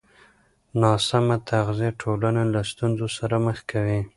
ناسمه تغذیه ټولنه له ستونزو سره مخ کوي.